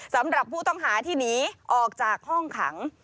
สำหรับผู้ต้องหาที่หนีออกจากห้องขัง